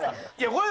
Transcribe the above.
これ。